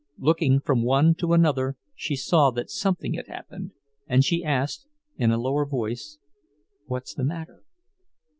Looking from one to another she saw that something had happened, and she asked, in a lower voice: "What's the matter?"